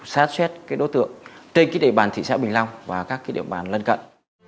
xác xét cái đối tượng trên cái địa bàn thị xã bình long và các cái địa bàn lân cận